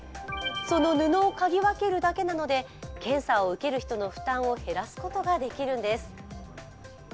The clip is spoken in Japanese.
その布を嗅ぎ分けるだけなので検査を受ける人の負担を減らすことができるんです。